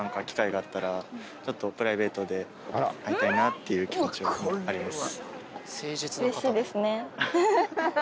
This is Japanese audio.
っていう気持ちはあります。